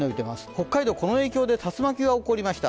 北海道はこの影響で竜巻が起こりました。